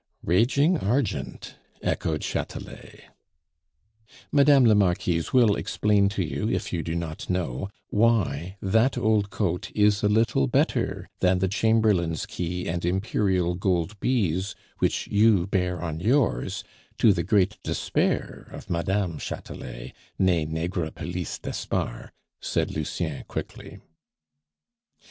"Raging argent," echoed Chatelet. "Madame la Marquise will explain to you, if you do not know, why that old coat is a little better than the chamberlain's key and Imperial gold bees which you bear on yours, to the great despair of Madame Chatelet, nee Negrepelisse d'Espard," said Lucien quickly.